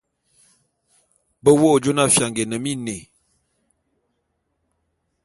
Be wo jona fianga é ne miné.